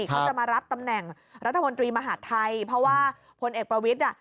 เขาจะมารับตำแหน่งรัฐมนตรีมหาดไทยเพราะว่าพลเอกประวิทย์อ่ะ